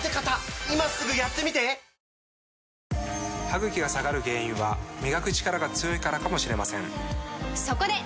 歯ぐきが下がる原因は磨くチカラが強いからかもしれませんそこで！